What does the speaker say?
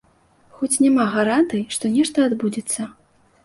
Хоць няма гарантый, што нешта адбудзецца.